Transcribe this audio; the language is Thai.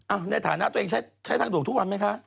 ในฐานะตัวเองใช้ทางด่วนทุกวันไหมคะ